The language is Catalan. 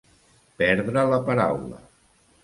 Perdre la paraula.